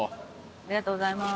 ありがとうございます。